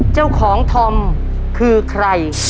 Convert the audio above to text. เจ้าของธอมคือใคร